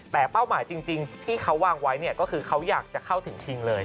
แต่เป้าหมายจริงที่เขาวางไว้ก็คือเขาอยากจะเข้าถึงชิงเลย